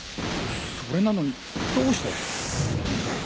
それなのにどうして。